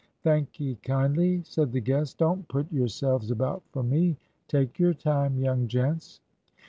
"Thank'ee kindly," said the guest; "don't put yourselves about for me. Take your time, young gents."